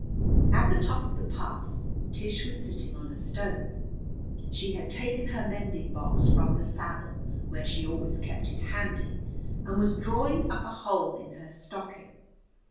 At the top of the pass Tish was sitting on a stone. She had taken her mending box from the saddle, where she always kept it handy, and was drawing up a hole in her stocking.